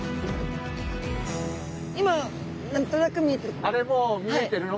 今何となく見えてるのが。